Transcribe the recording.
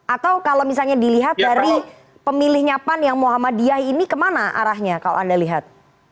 atau kalau misalnya dilihat dari pemilihnya pan yang muhammadiyah ini kemana arahnya kalau anda lihat